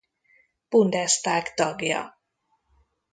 Bundestag tagja.